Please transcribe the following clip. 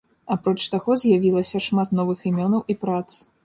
Апроч таго з'явілася шмат новых імёнаў і прац.